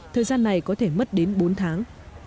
thời gian này có thể mất đến bốn tháng